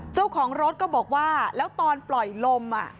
เจ้าของรถก็บอกว่าแล้วตอนปล่อยลม